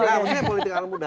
maksudnya politik anak muda